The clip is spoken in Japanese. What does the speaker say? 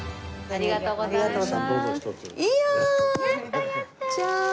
ありがとうございます。